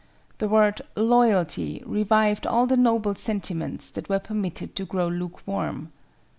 The word "Loyalty" revived all the noble sentiments that were permitted to grow lukewarm.